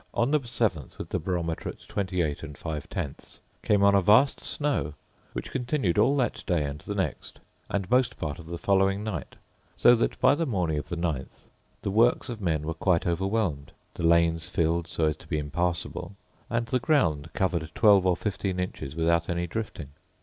On the 7th, with the barometer at 28 five tenths, came on a vast snow, which continued all that day and the next, and most part of the following night; so that by the morning of the 9th the works of men were quite overwhelmed, the lanes filled so as to be impassable, and the ground covered twelve or fifteen inches without any drifting.